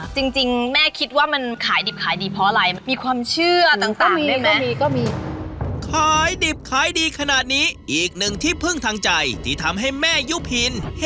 จริงแม่คิดว่ามันขายดิบดีเพราะอะไร